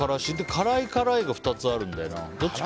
辛い、辛いが２つあるんだよな。